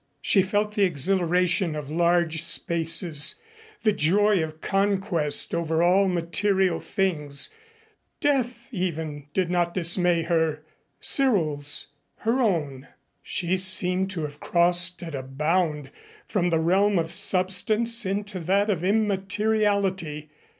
She felt the exhilaration of large spaces, the joy of conquest over all material things. Death even did not dismay her Cyril's her own. She seemed to have crossed at a bound, from the realm of substance into that of immateriality.